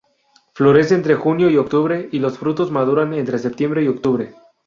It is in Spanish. Florece entre junio y octubre y los frutos maduran entre septiembre y octubre.